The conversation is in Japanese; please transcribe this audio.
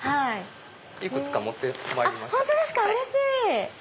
いくつか持ってまいりました。